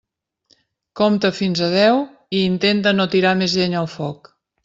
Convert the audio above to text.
Compta fins a deu i intenta no tirar més llenya al foc.